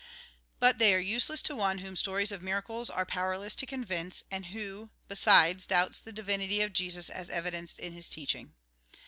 But they are useless to one whom stories of miracles are powerless to convince, and who, besides, doubts the divinity of Jesus as evidenced in his teaching.